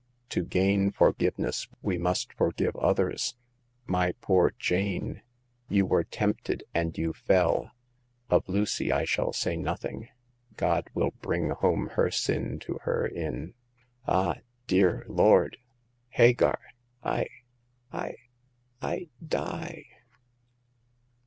To gain forgiveness we must forgive others. My poor Jane, you were tempted, and you fell. Of Lucy I shall say nothing ; God will bring home her sin to her in ^Ah ! dear Lord ! Hagar ! I— I~I die